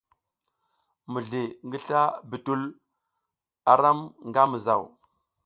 Mizli ngi sla bitul a ram nga mizaw.